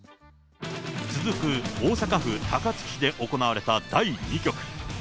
続く、大阪府高槻市で行われた第２局。